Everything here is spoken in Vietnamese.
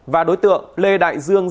và đối tượng lê đại dương